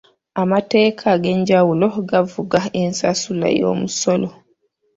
Amateeka ag'enjawulo gafuga ensasula y'omusolo.